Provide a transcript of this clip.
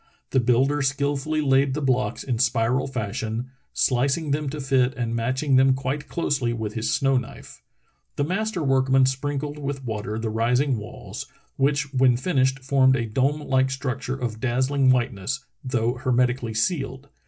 The builder skilfully laid the blocks in spiral fashion, slicing them to fit and matching them quite closely with his snow knife. The master workman sprinkled with water the rising walls, which when fin ished formed a dome like structure of dazzling white ness, though hermetically sealed.